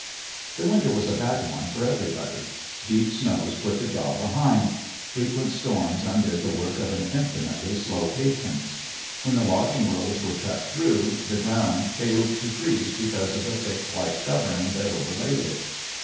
The winter was a bad one for everybody. Deep snows put the job behind; frequent storms undid the work of an infinitely slow patience. When the logging roads were cut through, the ground failed to freeze because of the thick white covering that overlaid it.